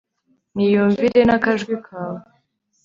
niyumvire n'akajwi kawe